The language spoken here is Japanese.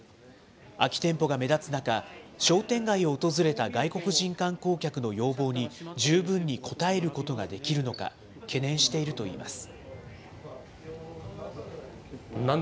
空き店舗が目立つ中、商店街を訪れた外国人観光客の要望に、十分に応えることができるのか、懸念しているといいます。